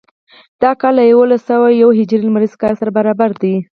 دا کال له یوولس سوه یو هجري لمریز کال سره برابر دی.